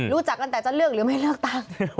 รู้จักกันแต่จะเลือกหรือไม่เลือกตั้ง